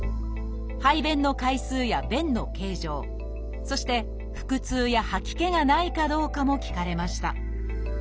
排便の回数や便の形状そして腹痛や吐き気がないかどうかも聞かれました